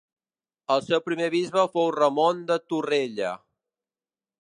El seu primer bisbe fou Ramon de Torrella.